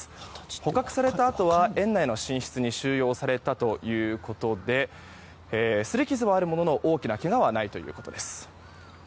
捕獲されたあとは園内の寝室に収容されたということですり傷はあるものの大きなけがはないということです。